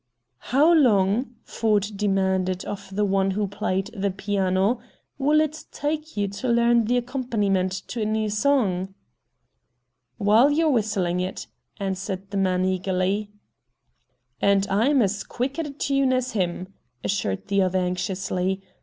"How long," Ford demanded of the one who played the piano, "will it take you to learn the accompaniment to a new song?" "While you're whistling it," answered the man eagerly. "And I'm as quick at a tune as him," assured the other anxiously.